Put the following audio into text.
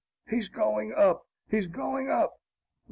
He's going up! He's going up!"